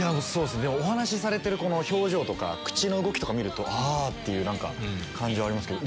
お話しされてる表情とか口の動きとか見るとあぁ！って感じはありますけど。